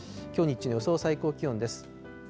きょう日中の予想最高気温です。